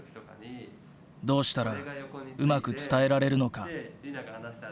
どうしたらうまく伝えられるのか。